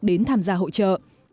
đến tham gia hội trợ